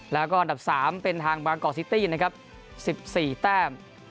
แล้วก็อันดับสามเป็นทางบางกอร์ซิตี้นะครับสิบสี่แต้ม